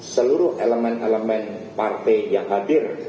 seluruh elemen elemen partai yang hadir